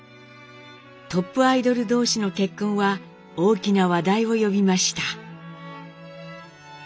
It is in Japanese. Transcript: トップアイドル同士の結婚は大きな話題を呼びました。